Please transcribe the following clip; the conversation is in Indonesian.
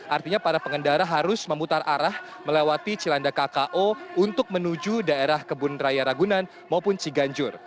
artinya para pengendara harus memutar arah melewati cilanda kko untuk menuju daerah kebun raya ragunan maupun ciganjur